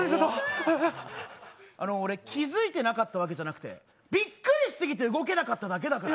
あの、俺、気づいてたわけじゃなくてびっくりしすぎて動けなかっただけだから！